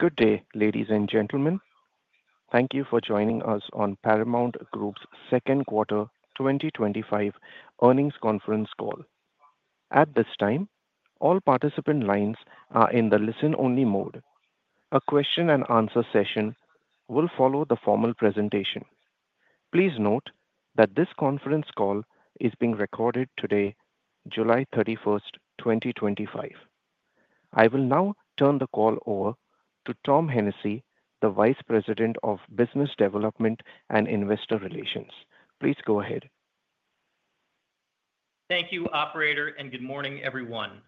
Good day, ladies and gentlemen. Thank you for joining us on Paramount Group's second quarter 2025 earnings conference call. At this time, all participant lines are in the listen-only mode. A question and answer session will follow the formal presentation. Please note that this conference call is being recorded today, July 31, 2025. I will now turn the call over to Tom Hennessy, the Vice President of Business Development and Investor Relations. Please go ahead. Thank you, Operator, and good morning, everyone.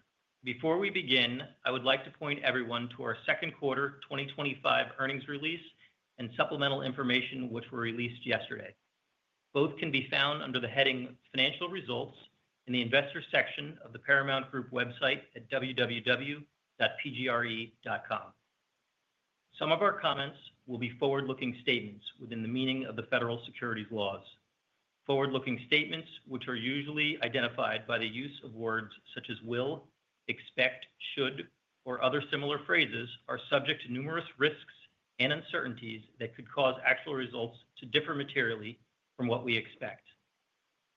Before we begin, I would like to point everyone to our second quarter 2025 earnings release and supplemental information which were released yesterday. Both can be found under the heading "Financial Results" in the Investor section of the Paramount Group website at www.pgre.com. Some of our comments will be forward-looking statements within the meaning of the Federal Securities Laws. Forward-looking statements, which are usually identified by the use of words such as "will," "expect," "should," or other similar phrases, are subject to numerous risks and uncertainties that could cause actual results to differ materially from what we expect.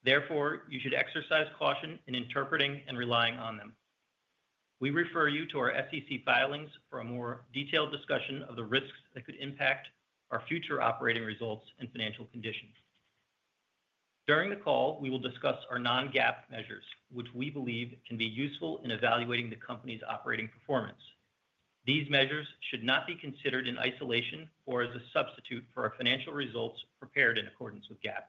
Therefore, you should exercise caution in interpreting and relying on them. We refer you to our SEC filings for a more detailed discussion of the risks that could impact our future operating results and financial conditions. During the call, we will discuss our non-GAAP measures, which we believe can be useful in evaluating the company's operating performance. These measures should not be considered in isolation or as a substitute for our financial results prepared in accordance with GAAP.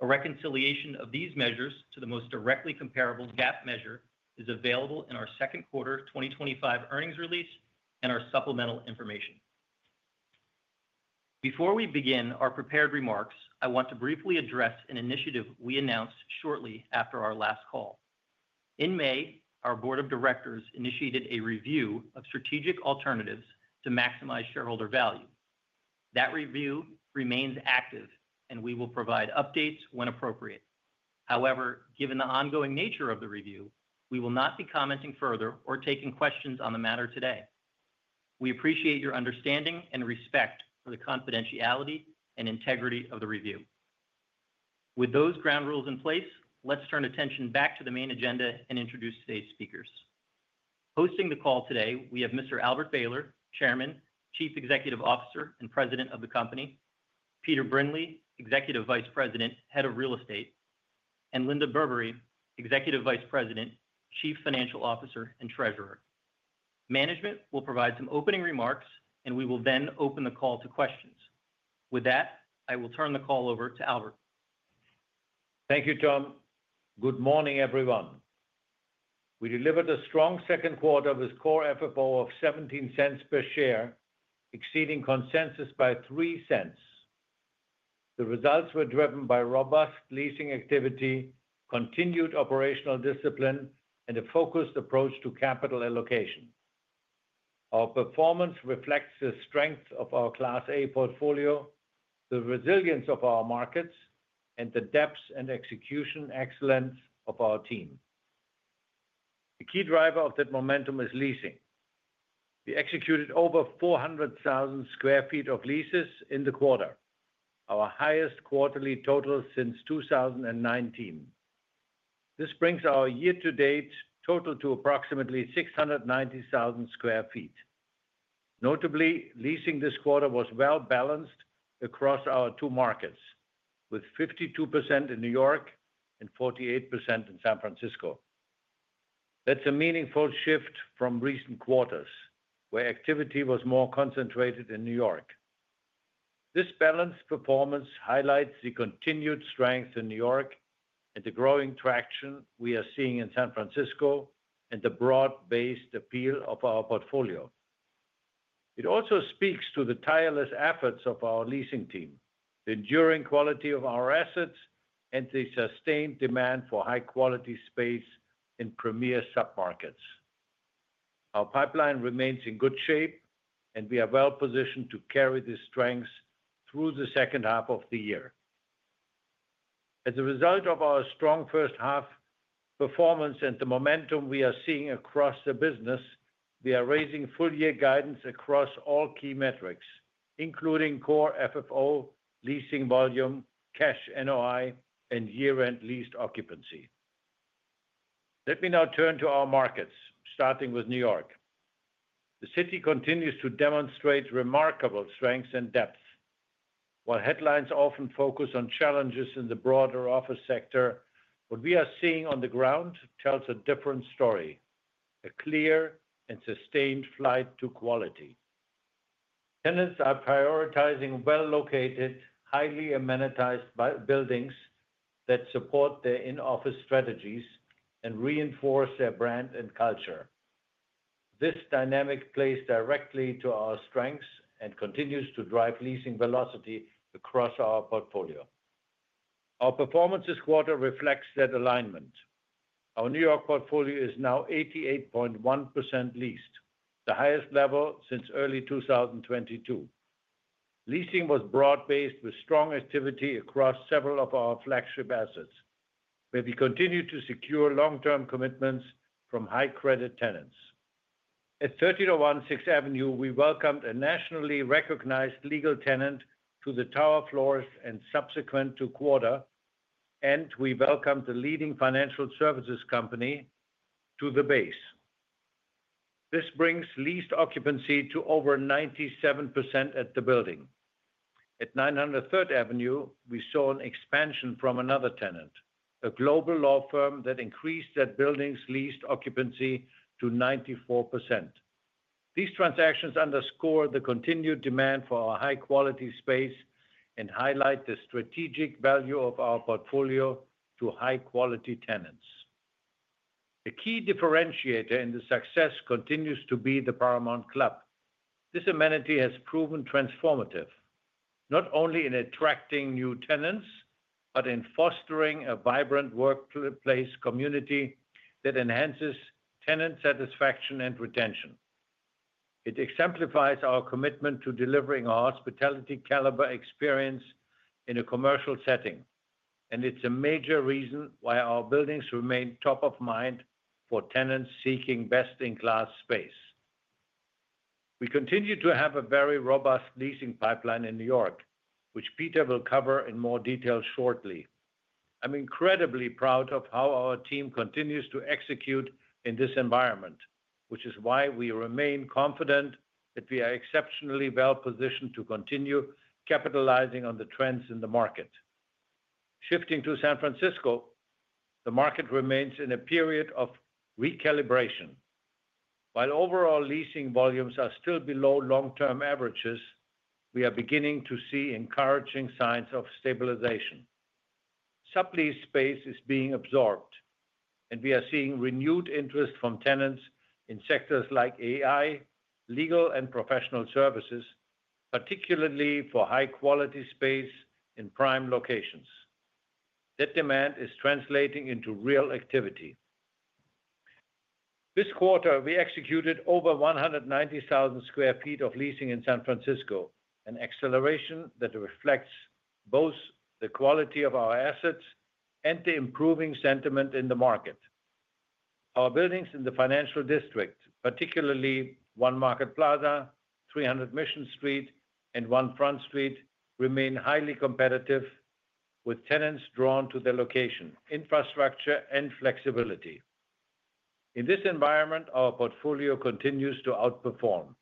A reconciliation of these measures to the most directly comparable GAAP measure is available in our second quarter 2025 earnings release and our supplemental information. Before we begin our prepared remarks, I want to briefly address an initiative we announced shortly after our last call. In May, our Board of Directors initiated a review of strategic alternatives to maximize shareholder value. That review remains active, and we will provide updates when appropriate. However, given the ongoing nature of the review, we will not be commenting further or taking questions on the matter today. We appreciate your understanding and respect for the confidentiality and integrity of the review. With those ground rules in place, let's turn attention back to the main agenda and introduce today's speakers. Hosting the call today, we have Mr. Albert Behler, Chairman, Chief Executive Officer and President of the Company, Peter Brindley, Executive Vice President, Head of Real Estate, and Ermelinda Berberi, Executive Vice President, Chief Financial Officer and Treasurer. Management will provide some opening remarks, and we will then open the call to questions. With that, I will turn the call over to Albert. Thank you, Tom. Good morning, everyone. We delivered a strong second quarter with a core FFO of $0.17 per share, exceeding consensus by $0.03. The results were driven by robust leasing activity, continued operational discipline, and a focused approach to capital allocation. Our performance reflects the strength of our Class A portfolio, the resilience of our markets, and the depth and execution excellence of our team. The key driver of that momentum is leasing. We executed over 400,000 sq ft of leases in the quarter, our highest quarterly total since 2019. This brings our year-to-date total to approximately 690,000 sq ft. Notably, leasing this quarter was well-balanced across our two markets, with 52% in New York and 48% in San Francisco. That's a meaningful shift from recent quarters, where activity was more concentrated in New York. This balanced performance highlights the continued strength in New York and the growing traction we are seeing in San Francisco and the broad-based appeal of our portfolio. It also speaks to the tireless efforts of our leasing team, the enduring quality of our assets, and the sustained demand for high-quality space in premier sub-markets. Our pipeline remains in good shape, and we are well-positioned to carry these strengths through the second half of the year. As a result of our strong first-half performance and the momentum we are seeing across the business, we are raising full-year guidance across all key metrics, including core FFO, leasing volume, cash NOI, and year-end leased occupancy. Let me now turn to our markets, starting with New York. The city continues to demonstrate remarkable strengths and depth. While headlines often focus on challenges in the broader office sector, what we are seeing on the ground tells a different story: a clear and sustained flight to quality. Tenants are prioritizing well-located, highly amenitized buildings that support their in-office strategies and reinforce their brand and culture. This dynamic plays directly into our strengths and continues to drive leasing velocity across our portfolio. Our performance this quarter reflects that alignment. Our New York portfolio is now 88.1% leased, the highest level since early 2022. Leasing was broad-based with strong activity across several of our flagship assets, where we continue to secure long-term commitments from high-credit tenants. At 1301 Avenue of the Americas, we welcomed a nationally recognized legal tenant to the tower floors and subsequent two quarters, and we welcomed the leading financial services company to the base. This brings leased occupancy to over 97% at the building. At 909 Third Avenue, we saw an expansion from another tenant, a global law firm that increased that building's leased occupancy to 94%. These transactions underscore the continued demand for our high-quality space and highlight the strategic value of our portfolio to high-quality tenants. A key differentiator in the success continues to be the Paramount Club. This amenity has proven transformative, not only in attracting new tenants but in fostering a vibrant workplace community that enhances tenant satisfaction and retention. It exemplifies our commitment to delivering our hospitality-caliber experience in a commercial setting, and it's a major reason why our buildings remain top of mind for tenants seeking best-in-class space. We continue to have a very robust leasing pipeline in New York, which Peter will cover in more detail shortly. I'm incredibly proud of how our team continues to execute in this environment, which is why we remain confident that we are exceptionally well-positioned to continue capitalizing on the trends in the market. Shifting to San Francisco, the market remains in a period of recalibration. While overall leasing volumes are still below long-term averages, we are beginning to see encouraging signs of stabilization. Sub-lease space is being absorbed, and we are seeing renewed interest from tenants in sectors like AI, legal, and professional services, particularly for high-quality space in prime locations. That demand is translating into real activity. This quarter, we executed over 190,000 sq ft of leasing in San Francisco, an acceleration that reflects both the quality of our assets and the improving sentiment in the market. Our buildings in the Financial District, particularly 1 Market Plaza, 300 Mission Street, and 1 Front Street, remain highly competitive, with tenants drawn to their location, infrastructure, and flexibility. In this environment, our portfolio continues to outperform.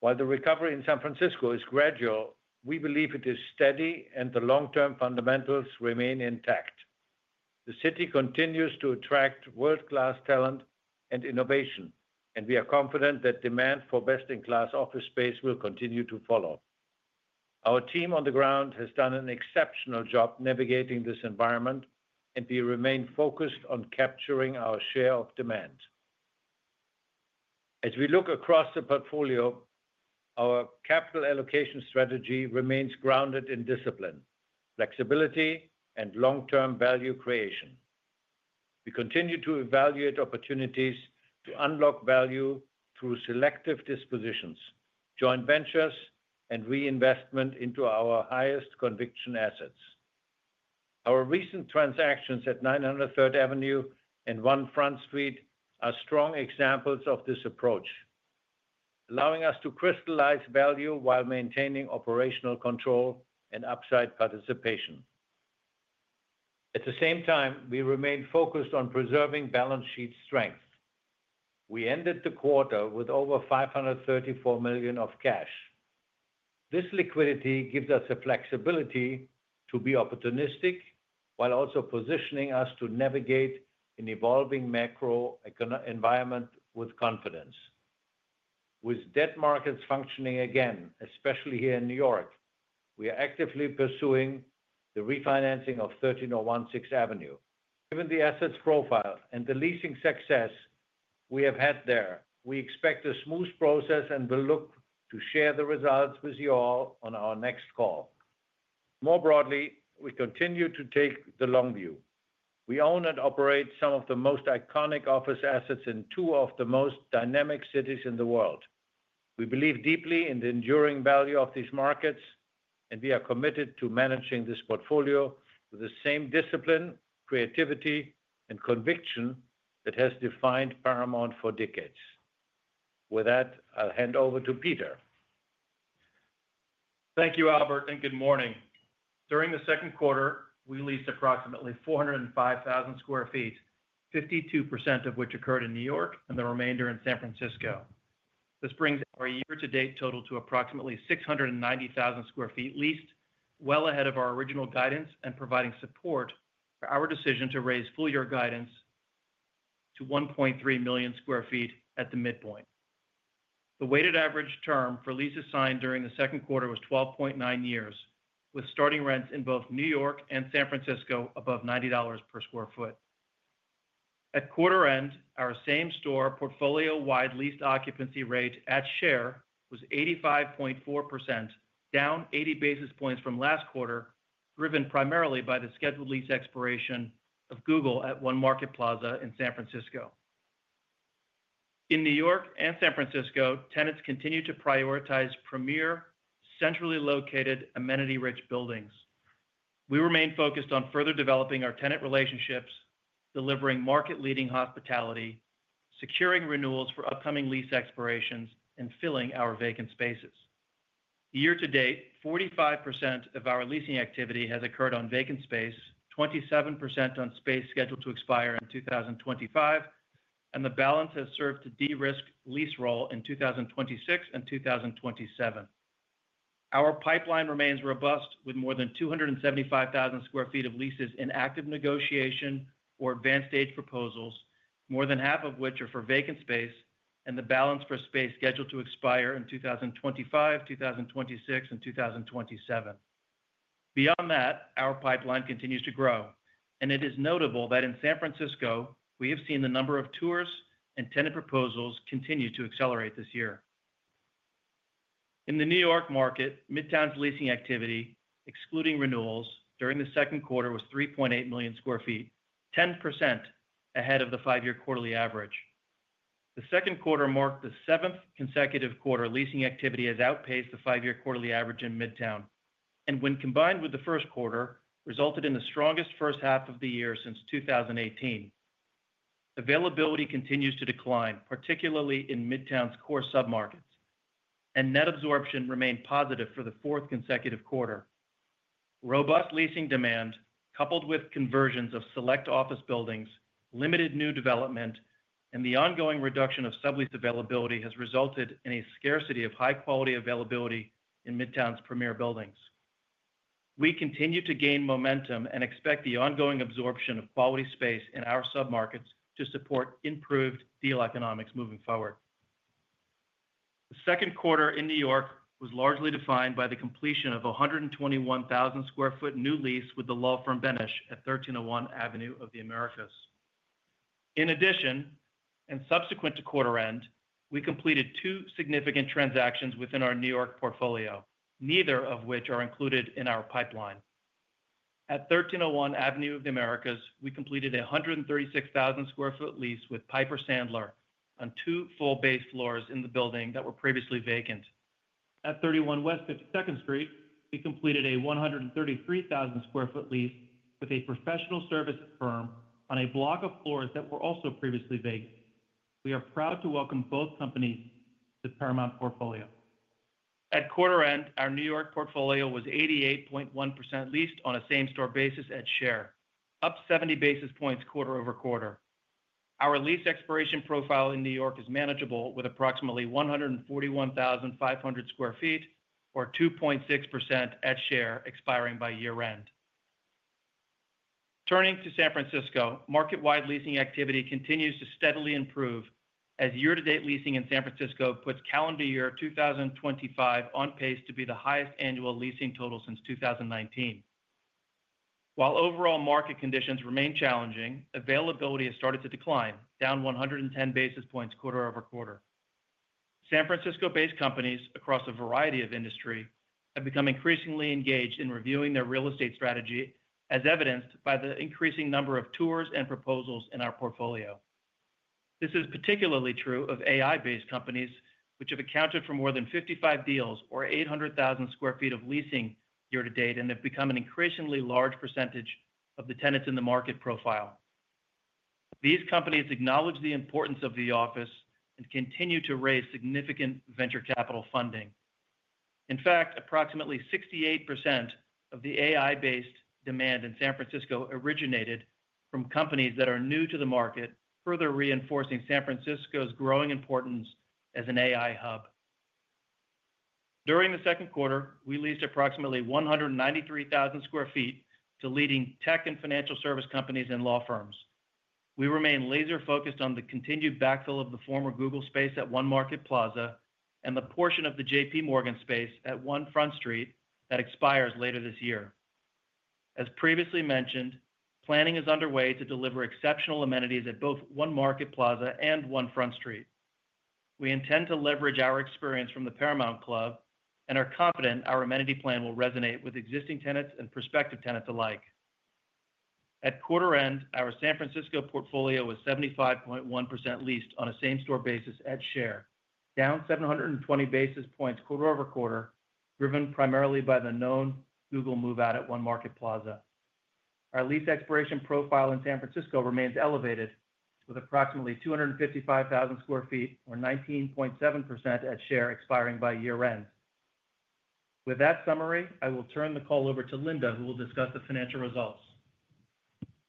While the recovery in San Francisco is gradual, we believe it is steady and the long-term fundamentals remain intact. The city continues to attract world-class talent and innovation, and we are confident that demand for best-in-class office space will continue to follow. Our team on the ground has done an exceptional job navigating this environment, and we remain focused on capturing our share of demand. As we look across the portfolio, our capital allocation strategy remains grounded in discipline, flexibility, and long-term value creation. We continue to evaluate opportunities to unlock value through selective dispositions, joint ventures, and reinvestment into our highest conviction assets. Our recent transactions at 909 Third Avenue and 1 Front Street are strong examples of this approach, allowing us to crystallize value while maintaining operational control and upside participation. At the same time, we remain focused on preserving balance sheet strength. We ended the quarter with over $534 million of cash. This liquidity gives us the flexibility to be opportunistic while also positioning us to navigate an evolving macro environment with confidence. With debt markets functioning again, especially here in New York, we are actively pursuing the refinancing of 1301 Avenue of the Americas. Given the asset's profile and the leasing success we have had there, we expect a smooth process and will look to share the results with you all on our next call. More broadly, we continue to take the long view. We own and operate some of the most iconic office assets in two of the most dynamic cities in the world. We believe deeply in the enduring value of these markets, and we are committed to managing this portfolio with the same discipline, creativity, and conviction that has defined Paramount for decades. With that, I'll hand over to Peter. Thank you, Albert, and good morning. During the second quarter, we leased approximately 405,000 sq ft, 52% of which occurred in New York and the remainder in San Francisco. This brings our year-to-date total to approximately 690,000 sq ft leased, well ahead of our original guidance and providing support for our decision to raise full-year guidance to 1.3 million sq ft at the midpoint. The weighted average term for leases signed during the second quarter was 12.9 years, with starting rents in both New York and San Francisco above $90 per square foot. At quarter end, our same-store portfolio-wide leased occupancy rate at share was 85.4%, down 80 basis points from last quarter, driven primarily by the scheduled lease expiration of Google at 1 Market Plaza in San Francisco. In New York and San Francisco, tenants continue to prioritize premier, centrally located, amenity-rich buildings. We remain focused on further developing our tenant relationships, delivering market-leading hospitality, securing renewals for upcoming lease expirations, and filling our vacant spaces. Year-to-date, 45% of our leasing activity has occurred on vacant space, 27% on space scheduled to expire in 2025, and the balance has served to de-risk lease roll in 2026 and 2027. Our pipeline remains robust, with more than 275,000 sq ft of leases in active negotiation or advanced-stage proposals, more than half of which are for vacant space, and the balance for space scheduled to expire in 2025, 2026, and 2027. Beyond that, our pipeline continues to grow, and it is notable that in San Francisco, we have seen the number of tours and tenant proposals continue to accelerate this year. In the New York market, Midtown's leasing activity, excluding renewals, during the second quarter was 3.8 million sq ft, 10% ahead of the five-year quarterly average. The second quarter marked the seventh consecutive quarter leasing activity has outpaced the five-year quarterly average in Midtown, and when combined with the first quarter, resulted in the strongest first half of the year since 2018. Availability continues to decline, particularly in Midtown's core sub-markets, and net absorption remained positive for the fourth consecutive quarter. Robust leasing demand, coupled with conversions of select office buildings, limited new development, and the ongoing reduction of sub-leased availability has resulted in a scarcity of high-quality availability in Midtown's premier buildings. We continue to gain momentum and expect the ongoing absorption of quality space in our sub-markets to support improved deal economics moving forward. The second quarter in New York was largely defined by the completion of a 121,000 sq ft new lease with the law firm Bennish at 1301 Avenue of the Americas. In addition, and subsequent to quarter end, we completed two significant transactions within our New York portfolio, neither of which are included in our pipeline. At 1301 Avenue of the Americas, we completed a 136,000 sq ft lease with Piper Sandler on two full-base floors in the building that were previously vacant. At 31 West 52nd Street, we completed a 133,000 sq ft lease with a professional services firm on a block of floors that were also previously vacant. We are proud to welcome both companies to the Paramount portfolio. At quarter end, our New York portfolio was 88.1% leased on a same-store basis at share, up 70 basis points quarter over quarter. Our lease expiration profile in New York is manageable with approximately 141,500 sq ft, or 2.6% at share, expiring by year-end. Turning to San Francisco, market-wide leasing activity continues to steadily improve, as year-to-date leasing in San Francisco puts calendar year 2025 on pace to be the highest annual leasing total since 2019. While overall market conditions remain challenging, availability has started to decline, down 110 basis points quarter over quarter. San Francisco-based companies across a variety of industries have become increasingly engaged in reviewing their real estate strategy, as evidenced by the increasing number of tours and proposals in our portfolio. This is particularly true of AI-based companies, which have accounted for more than 55 deals or 800,000 sq ft of leasing year to date and have become an increasingly large percentage of the tenants in the market profile. These companies acknowledge the importance of the office and continue to raise significant venture capital funding. In fact, approximately 68% of the AI-based demand in San Francisco originated from companies that are new to the market, further reinforcing San Francisco's growing importance as an AI hub. During the second quarter, we leased approximately 193,000 sq ft to leading tech and financial service companies and law firms. We remain laser-focused on the continued backfill of the former Google space at 1 Market Plaza and the portion of the JPMorgan space at 1 Front Street that expires later this year. As previously mentioned, planning is underway to deliver exceptional amenities at both 1 Market Plaza and 1 Front Street. We intend to leverage our experience from the Paramount Club and are confident our amenity plan will resonate with existing tenants and prospective tenants alike. At quarter end, our San Francisco portfolio was 75.1% leased on a same-store basis at share, down 720 basis points quarter over quarter, driven primarily by the known Google move-out at 1 Market Plaza. Our lease expiration profile in San Francisco remains elevated, with approximately 255,000 sq ft, or 19.7% at share, expiring by year-end. With that summary, I will turn the call over to Ermelinda, who will discuss the financial results.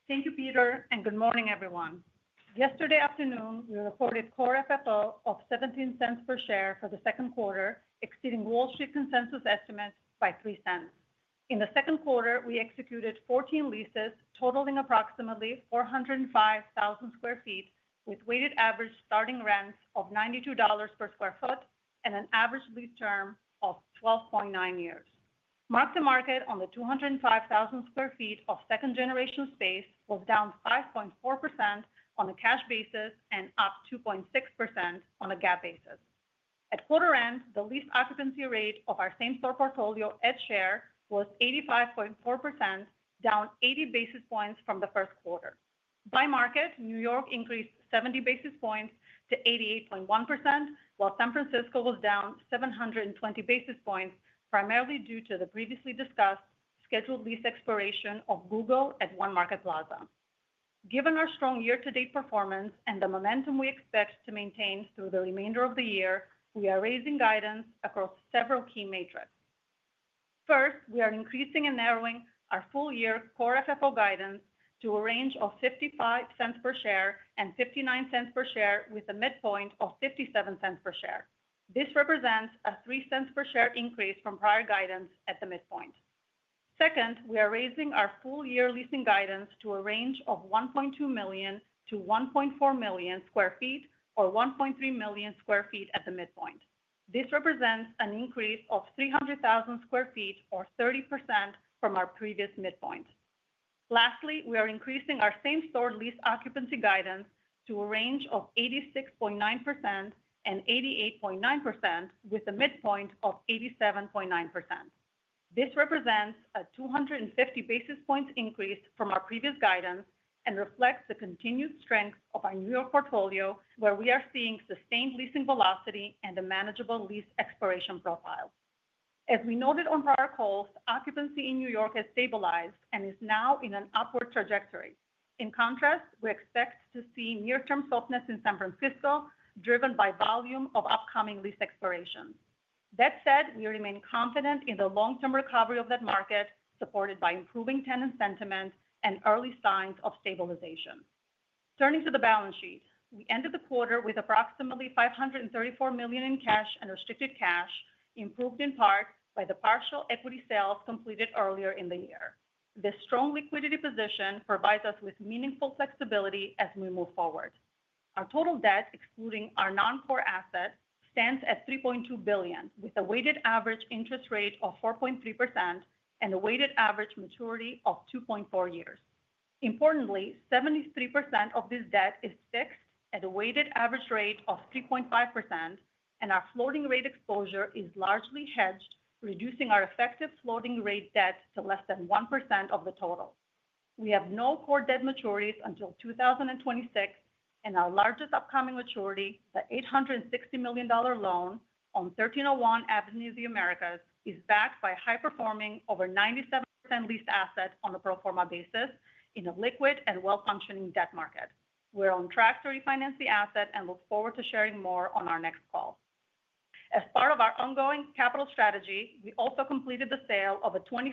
Thank you, Peter, and good morning, everyone. Yesterday afternoon, we recorded core FFO of $0.17 per share for the second quarter, exceeding Wall Street consensus estimates by $0.03. In the second quarter, we executed 14 leases, totaling approximately 405,000 sq ft, with weighted average starting rents of $92 per square foot and an average lease term of 12.9 years. Mark-to-market on the 205,000 sq ft of second-generation space was down 5.4% on a cash basis and up 2.6% on a GAAP basis. At quarter end, the leased occupancy rate of our same-store portfolio at share was 85.4%, down 80 basis points from the first quarter. By market, New York increased 70 basis points to 88.1%, while San Francisco was down 720 basis points, primarily due to the previously discussed scheduled lease expiration of Google at 1 Market Plaza. Given our strong year-to-date performance and the momentum we expect to maintain through the remainder of the year, we are raising guidance across several key metrics. First, we are increasing and narrowing our full-year core FFO guidance to a range of $0.55 per share and $0.59 per share, with a midpoint of $0.57 per share. This represents a $0.03 per share increase from prior guidance at the midpoint. Second, we are raising our full-year leasing guidance to a range of 1.2 million to 1.4 million sq ft, or 1.3 million sq ft at the midpoint. This represents an increase of 300,000 sq ft, or 30% from our previous midpoint. Lastly, we are increasing our same-store leased occupancy guidance to a range of 86.9% and 88.9%, with a midpoint of 87.9%. This represents a 250 basis points increase from our previous guidance and reflects the continued strength of our New York portfolio, where we are seeing sustained leasing velocity and a manageable lease expiration profile. As we noted on prior calls, occupancy in New York has stabilized and is now in an upward trajectory. In contrast, we expect to see near-term softness in San Francisco, driven by volume of upcoming lease expirations. That said, we remain confident in the long-term recovery of that market, supported by improving tenant sentiment and early signs of stabilization. Turning to the balance sheet, we ended the quarter with approximately $534 million in cash and restricted cash, improved in part by the partial equity sales completed earlier in the year. This strong liquidity position provides us with meaningful flexibility as we move forward. Our total debt, excluding our non-core assets, stands at $3.2 billion, with a weighted average interest rate of 4.3% and a weighted average maturity of 2.4 years. Importantly, 73% of this debt is fixed at a weighted average rate of 3.5%, and our floating rate exposure is largely hedged, reducing our effective floating rate debt to less than 1% of the total. We have no core debt maturities until 2026, and our largest upcoming maturity, the $860 million loan on 1301 Avenue of the Americas, is backed by a high-performing, over 97% leased asset on a pro forma basis in a liquid and well-functioning debt market. We're on track to refinance the asset and look forward to sharing more on our next call. As part of our ongoing capital strategy, we also completed the sale of a 25%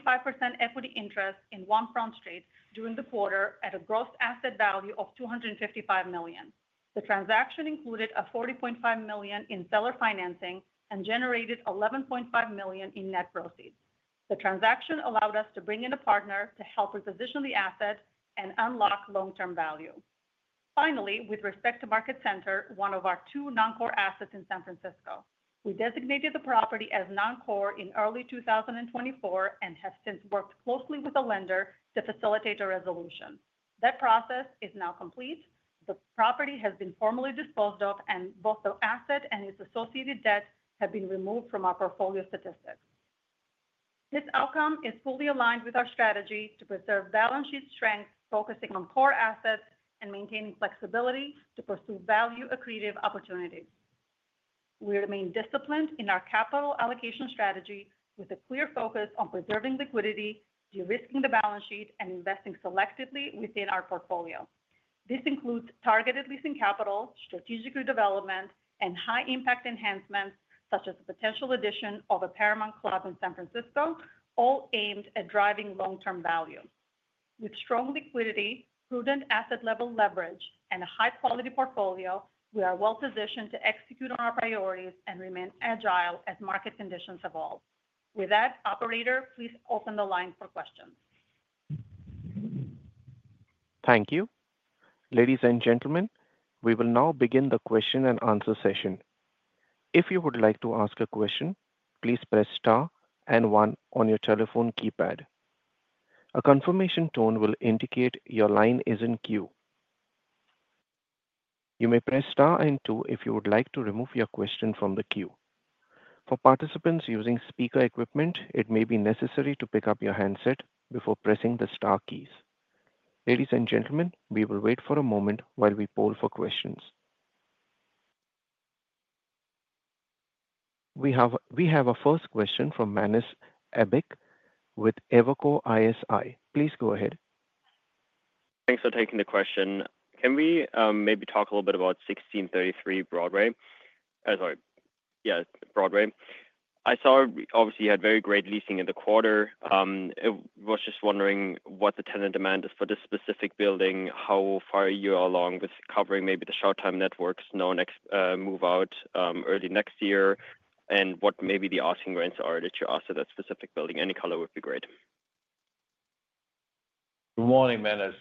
equity interest in 1 Front Street during the quarter at a gross asset value of $255 million. The transaction included $40.5 million in seller financing and generated $11.5 million in net proceeds. The transaction allowed us to bring in a partner to help reposition the asset and unlock long-term value. Finally, with respect to Market Center, one of our two non-core assets in San Francisco, we designated the property as non-core in early 2024 and have since worked closely with the lender to facilitate a resolution. That process is now complete. The property has been formally disposed of, and both the asset and its associated debt have been removed from our portfolio statistics. This outcome is fully aligned with our strategy to preserve balance sheet strength, focusing on core assets and maintaining flexibility to pursue value-accretive opportunities. We remain disciplined in our capital allocation strategy, with a clear focus on preserving liquidity, de-risking the balance sheet, and investing selectively within our portfolio. This includes targeted leasing capital, strategic redevelopment, and high-impact enhancements such as the potential addition of a Paramount Club in San Francisco, all aimed at driving long-term value. With strong liquidity, prudent asset-level leverage, and a high-quality portfolio, we are well-positioned to execute on our priorities and remain agile as market conditions evolve. With that, Operator, please open the line for questions. Thank you. Ladies and gentlemen, we will now begin the question and answer session. If you would like to ask a question, please press star and one on your telephone keypad. A confirmation tone will indicate your line is in queue. You may press star and two if you would like to remove your question from the queue. For participants using speaker equipment, it may be necessary to pick up your handset before pressing the star keys. Ladies and gentlemen, we will wait for a moment while we poll for questions. We have a first question from Manus Ebbecke with Evercore ISI. Please go ahead. Thanks for taking the question. Can we maybe talk a little bit about 1633 Broadway? I saw obviously you had very great leasing in the quarter. I was just wondering what the tenant demand is for this specific building, how far you are along with covering maybe the short-term networks, non-move-out early next year, and what maybe the asking rents are that you asked at that specific building. Any color would be great. Good morning, Manus.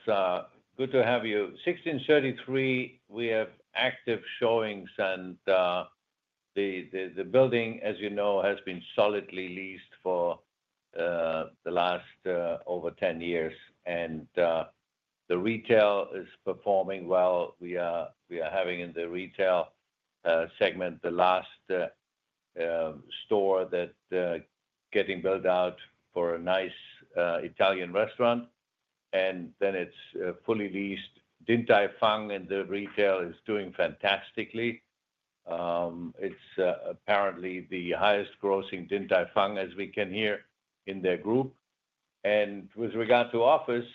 Good to have you. 1633, we have active showings, and the building, as you know, has been solidly leased for the last over 10 years, and the retail is performing well. We are having in the retail segment the last store that's getting built out for a nice Italian restaurant, and then it's fully leased. Din Tai Fung in the retail is doing fantastically. It's apparently the highest grossing Din Tai Fung, as we can hear in their group. With regard to office,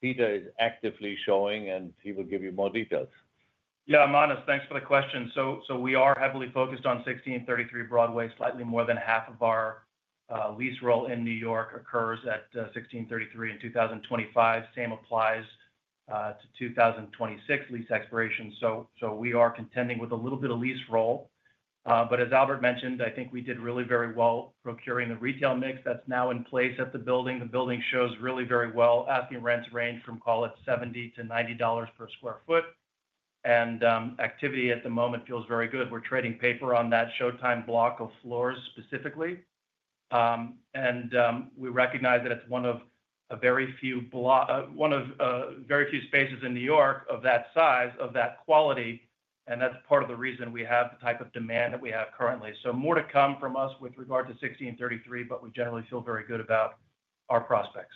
Peter is actively showing, and he will give you more details. Yeah, Manus, thanks for the question. We are heavily focused on 1633 Broadway. Slightly more than half of our lease roll in New York occurs at 1633 in 2025. The same applies to 2026 lease expiration. We are contending with a little bit of lease roll. As Albert mentioned, I think we did really very well procuring the retail mix that's now in place at the building. The building shows really very well. Asking rents range from, call it, $70-$90 per square foot, and activity at the moment feels very good. We're trading paper on that Showtime block of floors specifically, and we recognize that it's one of very few spaces in New York of that size, of that quality, and that's part of the reason we have the type of demand that we have currently. More to come from us with regard to 1633, but we generally feel very good about our prospects.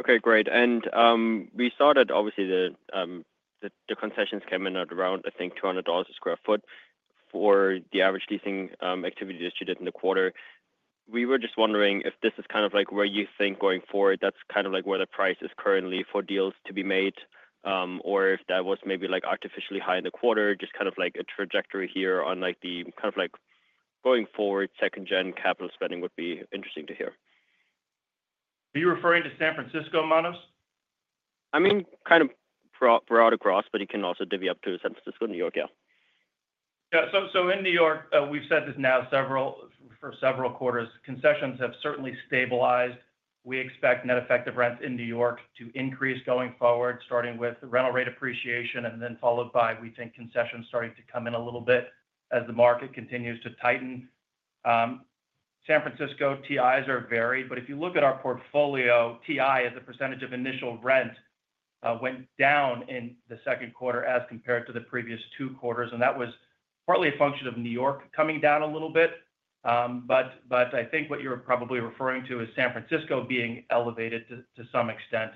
Okay, great. We saw that obviously the concessions came in at around, I think, $200 a square foot for the average leasing activity that you did in the quarter. We were just wondering if this is kind of like where you think going forward, that's kind of like where the price is currently for deals to be made, or if that was maybe like artificially high in the quarter, just kind of like a trajectory here on like the kind of like going forward second-gen capital spending would be interesting to hear. Are you referring to San Francisco, Manus? I mean, kind of broad across, but you can also divvy up to San Francisco, New York, yeah. Yeah, so in New York, we've said this now for several quarters, concessions have certainly stabilized. We expect net effective rents in New York to increase going forward, starting with the rental rate appreciation and then followed by, we think, concessions starting to come in a little bit as the market continues to tighten. San Francisco TIs are varied, but if you look at our portfolio, TI as a percentage of initial rent went down in the second quarter as compared to the previous two quarters, and that was partly a function of New York coming down a little bit. I think what you're probably referring to is San Francisco being elevated to some extent,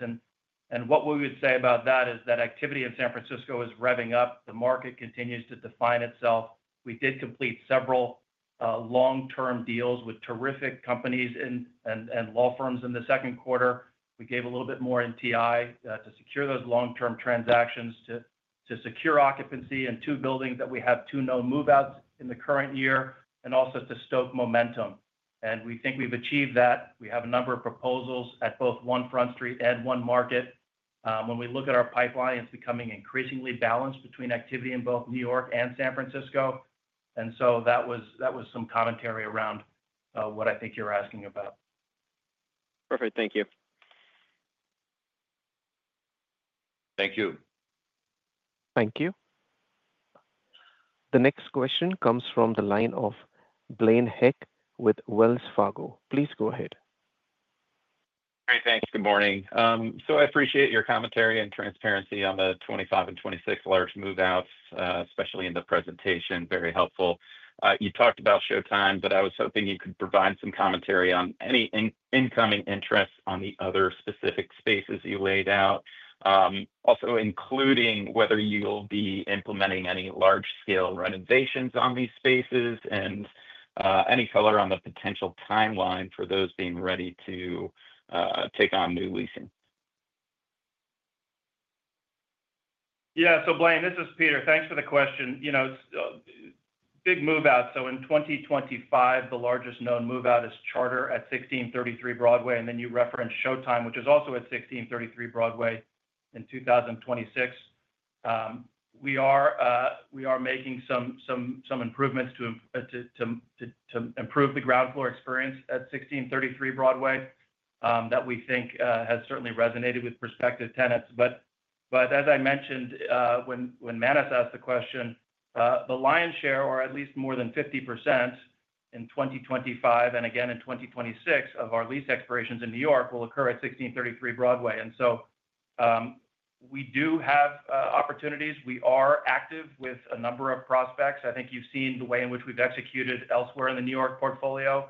and what we would say about that is that activity in San Francisco is revving up. The market continues to define itself. We did complete several long-term deals with terrific companies and law firms in the second quarter. We gave a little bit more in TI to secure those long-term transactions, to secure occupancy in two buildings that we have two known move-outs in the current year, and also to stoke momentum. We think we've achieved that. We have a number of proposals at both 1 Front Street and 1 Market Plaza. When we look at our pipeline, it's becoming increasingly balanced between activity in both New York and San Francisco, and that was some commentary around what I think you're asking about. Perfect, thank you. Thank you. Thank you. The next question comes from the line of Blaine Heck with Wells Fargo. Please go ahead. All right, thanks. Good morning. I appreciate your commentary and transparency on the 2025 and 2026 large move-outs, especially in the presentation, very helpful. You talked about showtime, but I was hoping you could provide some commentary on any incoming interest on the other specific spaces you laid out, also, including whether you'll be implementing any large-scale renovations on these spaces and any color on the potential timeline for those being ready to take on new leasing. Yeah, so Blaine, this is Peter. Thanks for the question. Big move-out. In 2025, the largest known move-out is Charter at 1633 Broadway, and you referenced Showtime, which is also at 1633 Broadway in 2026. We are making some improvements to improve the ground floor experience at 1633 Broadway that we think has certainly resonated with prospective tenants. As I mentioned when Manus asked the question, the lion's share, or at least more than 50% in 2025 and again in 2026 of our lease expirations in New York, will occur at 1633 Broadway. We do have opportunities. We are active with a number of prospects. I think you've seen the way in which we've executed elsewhere in the New York portfolio.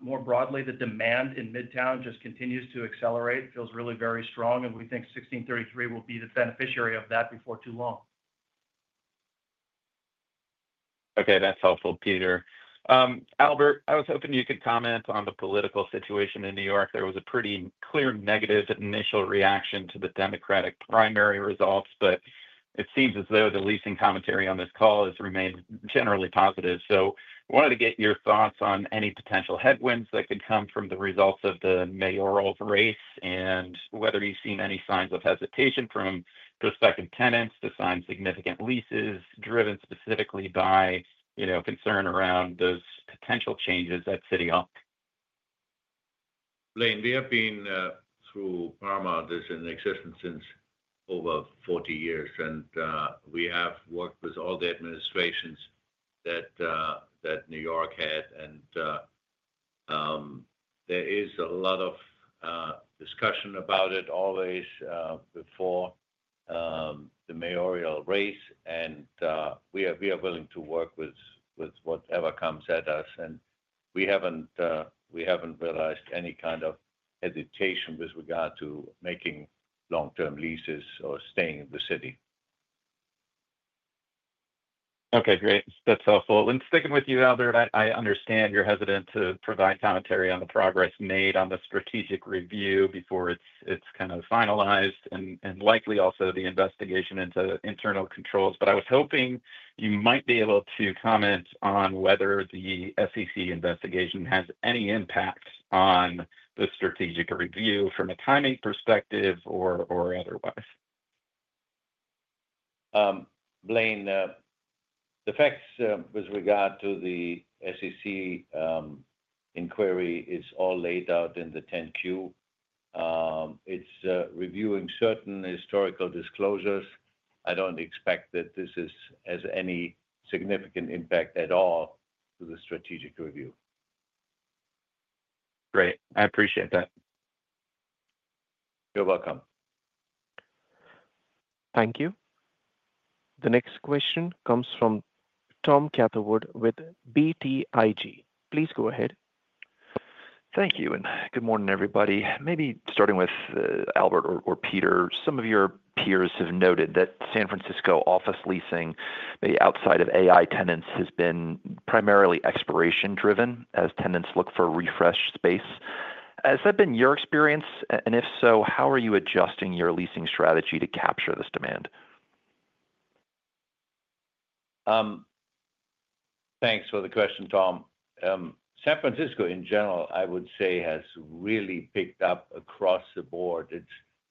More broadly, the demand in Midtown just continues to accelerate. It feels really very strong, and we think 1633 will be the beneficiary of that before too long. Okay, that's helpful, Peter. Albert, I was hoping you could comment on the political situation in New York. There was a pretty clear negative initial reaction to the Democratic primary results, but it seems as though the leasing commentary on this call has remained generally positive. I wanted to get your thoughts on any potential headwinds that could come from the results of the mayoral race and whether you've seen any signs of hesitation from prospective tenants to sign significant leases driven specifically by concern around those potential changes at City Hall. Blaine, we have been through Paramount as an exception since over 40 years, and we have worked with all the administrations that New York had. There is a lot of discussion about it always before the mayoral race, and we are willing to work with whatever comes at us. We haven't realized any kind of hesitation with regard to making long-term leases or staying in the city. Okay, great. That's helpful. Sticking with you, Albert, I understand you're hesitant to provide commentary on the progress made on the strategic review before it's kind of finalized and likely also the investigation into internal controls. I was hoping you might be able to comment on whether the SEC investigation has any impact on the strategic review from a timing perspective or otherwise. Blaine, the facts with regard to the SEC inquiry are all laid out in the 10-Q. It's reviewing certain historical disclosures. I don't expect that this has any significant impact at all to the strategic review. Great, I appreciate that. You're welcome. Thank you. The next question comes from Tom Catherwood with BTIG. Please go ahead. Thank you, and good morning, everybody. Maybe starting with Albert or Peter, some of your peers have noted that San Francisco office leasing, maybe outside of AI tenants, has been primarily expiration-driven as tenants look for refreshed space. Has that been your experience? If so, how are you adjusting your leasing strategy to capture this demand? Thanks for the question, Tom. San Francisco, in general, I would say, has really picked up across the board.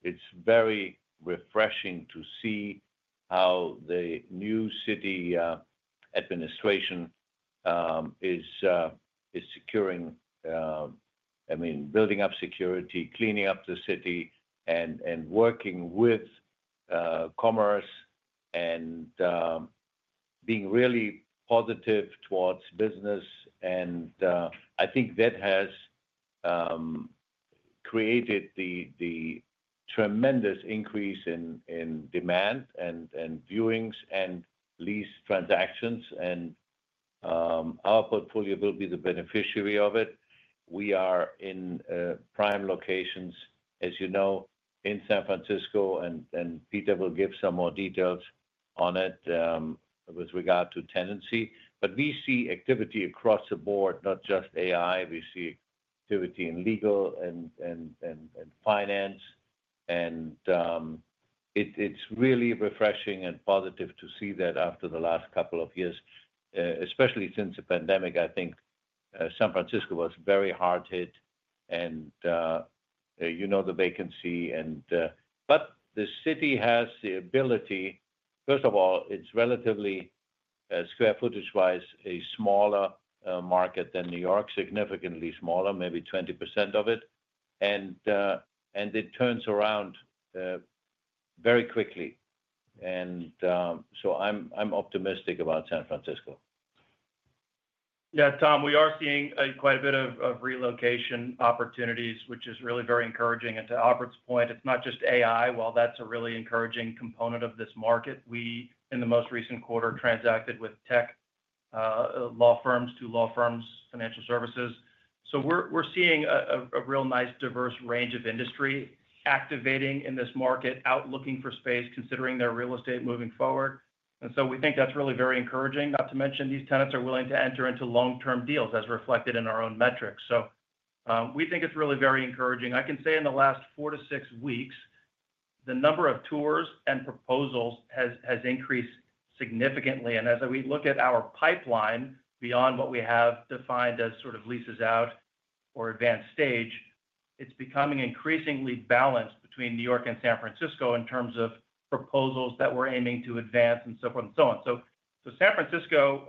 It's very refreshing to see how the new city administration is building up security, cleaning up the city, and working with commerce and being really positive towards business. I think that has created the tremendous increase in demand and viewings and lease transactions, and our portfolio will be the beneficiary of it. We are in prime locations, as you know, in San Francisco, and Peter will give some more details on it with regard to tenancy. We see activity across the board, not just AI. We see activity in legal and finance, and it's really refreshing and positive to see that after the last couple of years, especially since the pandemic. I think San Francisco was very hard hit, and you know the vacancy. The city has the ability, first of all, it's relatively, square footage-wise, a smaller market than New York, significantly smaller, maybe 20% of it, and it turns around very quickly. I'm optimistic about San Francisco. Yeah, Tom, we are seeing quite a bit of relocation opportunities, which is really very encouraging. To Albert's point, it's not just AI. While that's a really encouraging component of this market, we, in the most recent quarter, transacted with tech, law firms, two law firms, financial services. We're seeing a real nice diverse range of industry activating in this market, out looking for space, considering their real estate moving forward. We think that's really very encouraging. Not to mention, these tenants are willing to enter into long-term deals, as reflected in our own metrics. We think it's really very encouraging. I can say in the last four to six weeks, the number of tours and proposals has increased significantly. As we look at our pipeline, beyond what we have defined as sort of leases out or advanced stage, it's becoming increasingly balanced between New York and San Francisco in terms of proposals that we're aiming to advance and so forth and so on. San Francisco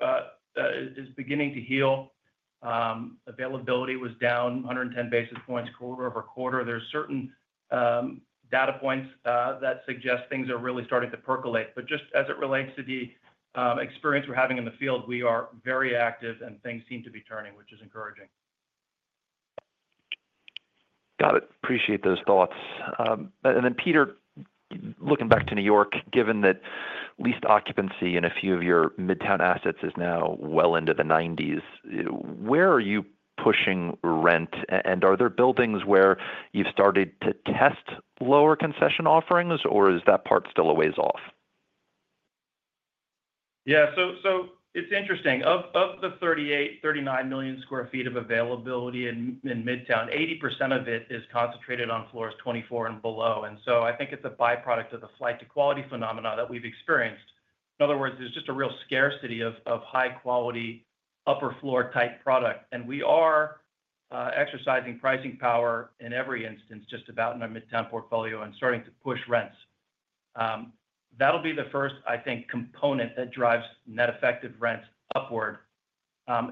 is beginning to heal. Availability was down 110 basis points quarter over quarter. There are certain data points that suggest things are really starting to percolate. Just as it relates to the experience we're having in the field, we are very active and things seem to be turning, which is encouraging. Got it. Appreciate those thoughts. Peter, looking back to New York, given that leased occupancy in a few of your Midtown assets is now well into the 90%, where are you pushing rent? Are there buildings where you've started to test lower concession offerings, or is that part still a ways off? Yeah, so it's interesting. Of the 38, 39 million sq ft of availability in Midtown, 80% of it is concentrated on floors 24 and below. I think it's a byproduct of the flight to quality phenomenon that we've experienced. In other words, there's just a real scarcity of high-quality upper floor type product. We are exercising pricing power in every instance, just about in our Midtown portfolio, and starting to push rents. That'll be the first, I think, component that drives net effective rents upward.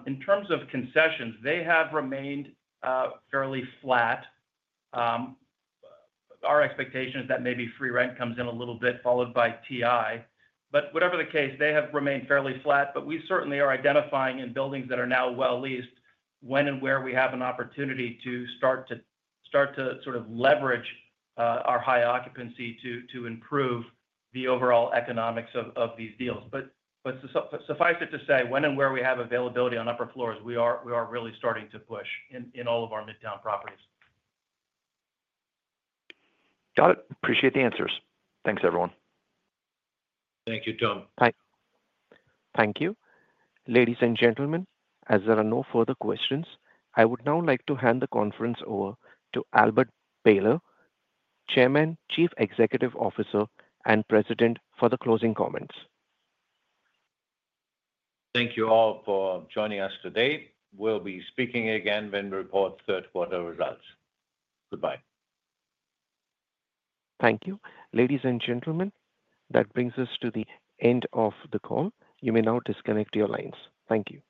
In terms of concessions, they have remained fairly flat. Our expectation is that maybe free rent comes in a little bit, followed by TI. Whatever the case, they have remained fairly flat. We certainly are identifying in buildings that are now well leased when and where we have an opportunity to start to sort of leverage our high occupancy to improve the overall economics of these deals. Suffice it to say, when and where we have availability on upper floors, we are really starting to push in all of our Midtown properties. Got it. Appreciate the answers. Thanks, everyone. Thank you, Tom. Thanks. Thank you. Ladies and gentlemen, as there are no further questions, I would now like to hand the conference over to Albert Behler, Chairman, Chief Executive Officer, and President, for the closing comments. Thank you all for joining us today. We'll be speaking again when we report third quarter results. Goodbye. Thank you. Ladies and gentlemen, that brings us to the end of the call. You may now disconnect your lines. Thank you.